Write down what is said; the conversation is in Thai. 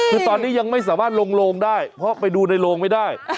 คือตอนนี้ยังไม่สามารถลงโลงได้เพราะไปดูในโรงไม่ได้